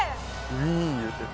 ウィンいうてる。